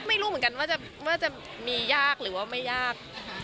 ไม่รู้เหมือนกันว่าจะมียากหรือว่าไม่ยาก